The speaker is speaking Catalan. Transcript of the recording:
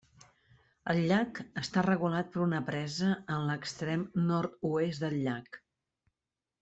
El llac està regulat per una presa en l'extrem nord-oest del llac.